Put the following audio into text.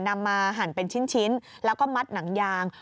นำมาหั่นเป็นชิ้นแล้วก็มัดหนังยาง